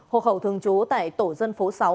hộ khẩu thường trú tại tổ dân phố sáu